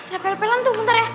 lepel lepelan tuh bentar ya